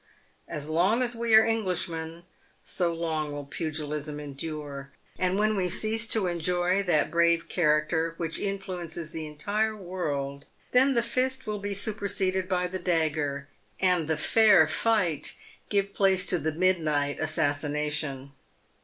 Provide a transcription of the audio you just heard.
As long as we are Englishmen, so long will pugilism endure ; and when we cease to enjoy that brave character which influences the entire world, then the fist will be superseded by the dagger, and the "fair" fight give place to the midnight assassination.